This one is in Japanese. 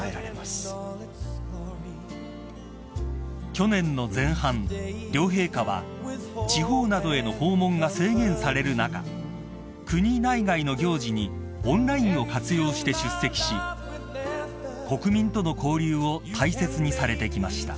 ［去年の前半両陛下は地方などへの訪問が制限される中国内外の行事にオンラインを活用して出席し国民との交流を大切にされてきました］